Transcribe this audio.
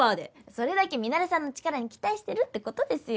それだけミナレさんの力に期待してるって事ですよ。